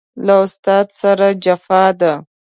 له استاد سره جفا ده